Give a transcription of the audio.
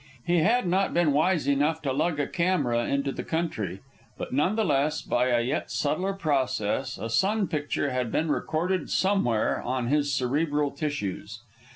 He had not been wise enough to lug a camera into the country, but none the less, by a yet subtler process, a sun picture had been recorded somewhere on his cerebral tissues.